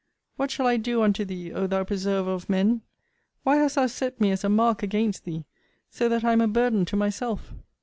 what shall I do unto thee, O thou Preserver of men! why hast thou set me as a mark against thee; so that I am a burden to myself!